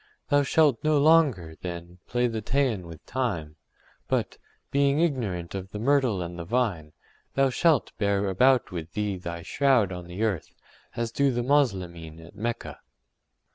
Thou shalt no longer, then, play the Teian with time, but, being ignorant of the myrtle and the vine, thou shalt bear about with thee thy shroud on the earth, as do the Moslemin at Mecca.